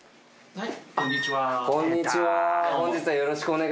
はい。